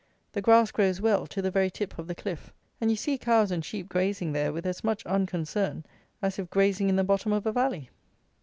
The grass grows well, to the very tip of the cliff; and you see cows and sheep grazing there with as much unconcern as if grazing in the bottom of a valley.